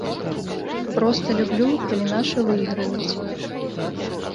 Проста люблю, калі нашы выйграюць.